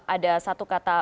ada satu kata